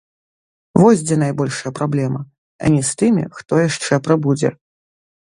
Вось дзе найбольшая праблема, а не з тымі, хто яшчэ прыбудзе.